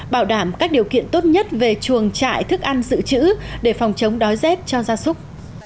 bảo đảm các điều kiện tốt nhất về chuồng trại thức ăn dự trữ để phòng chống đói rét cho gia súc